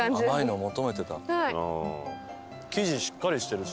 生地しっかりしてるし。